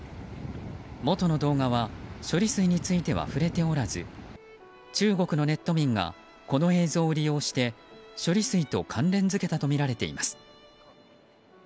元の動画は処理水については触れておらず中国のネット民がこの映像を利用して処理水と関連付けたとみられています。